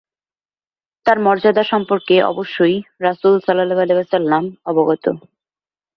তার মর্যাদা সম্পর্কে অবশ্যই রাসূল সাল্লাল্লাহু আলাইহি ওয়াসাল্লাম অবগত।